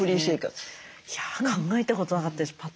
いや考えたことなかったです。